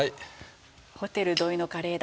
ホテル土井のカレーだ。